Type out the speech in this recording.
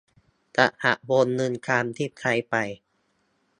จะหักวงเงินตามที่ใช้ไป